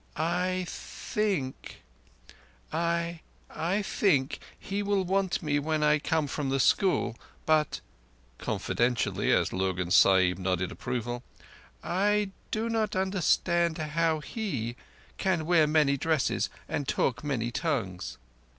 "I—I think he will want me when I come from the school, but"—confidentially, as Lurgan Sahib nodded approval—"I do not understand how he can wear many dresses and talk many tongues."